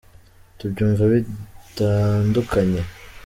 tubyumva bitandukanye.